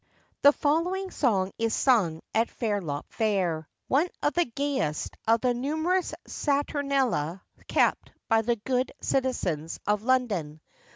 [THE following song is sung at Fairlop fair, one of the gayest of the numerous saturnalia kept by the good citizens of London.